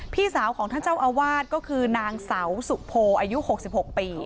พี่สาวของท่านเจ้าอาวาสก็คือนางสาวสุโภอายุหกสิบห้าปี